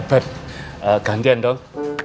eben gantian dong